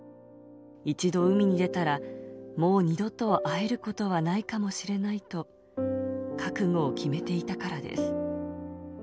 一度海に出たら、もう二度と会えることはないかもしれないと、覚悟を決めていたからです。